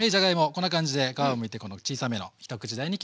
こんな感じで皮をむいて小さめの一口大に切って下さい。